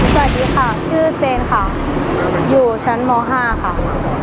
สวัสดีค่ะชื่อเซนค่ะอยู่ชั้นม๕ค่ะ